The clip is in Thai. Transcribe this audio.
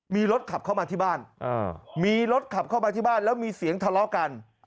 มีรถขับเข้ามาที่บ้านมีรถขับเข้ามาที่บ้านแล้วมีเสียงทะเลาะกัน